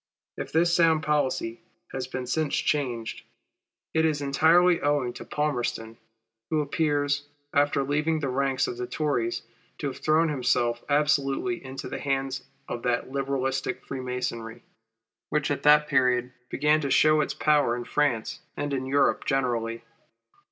If this sound policy has been since changed, it is entirely owing to Palmerston, who appears, after leaving the ranks of the Tories, to have thrown himself absolutely into the hands of that Liberalistic Freemasonry, which, at the period, began to show its power in France and in Europe generally.